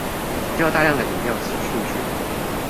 需要大量的語料數據